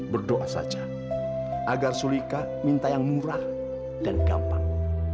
berdoa saja agar sulika minta yang murah dan gampang